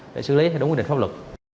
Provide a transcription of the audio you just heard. để xử lý đúng quyết định pháp luật